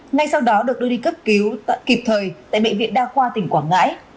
ngay sau đó được đưa đi cấp cứu kịp thời tại bệnh viện đa khoa tỉnh quảng ngãi